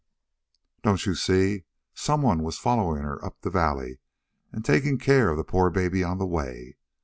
"Don't you see? Someone was following her up the valley and taking care of the poor baby on the way.